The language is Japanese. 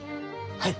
はい！